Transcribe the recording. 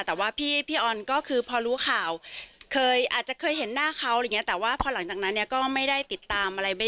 แต่ว่าพี่ออนก็คือพอรู้ข่าวอาจจะเคยเห็นหน้าเขาแต่ว่าพอหลังจากนั้นก็ไม่ได้ติดตามอะไร